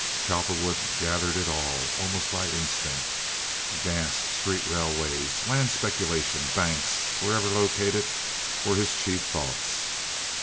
Cowperwood gathered it all, almost by instinct. Gas, street railways, land speculations, banks, wherever located, were his chief thoughts.